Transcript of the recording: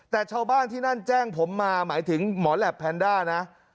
แต่ชาวบ้านที่นั่นแจ้งผมมาหมายถึงหมอแหลปแพนด้านะ